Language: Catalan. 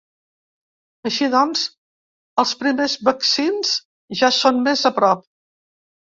Així doncs, els primers vaccins ja són més a prop.